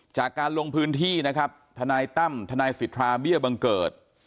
จากการลงพื้นที่นะครับทนายตั้มทนายสิทธาเบี้ยบังเกิด